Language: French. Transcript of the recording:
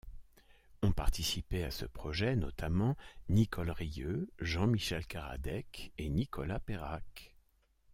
Ont participé à ce projet notamment Nicole Rieu, Jean-Michel Caradec et Nicolas Peyrac.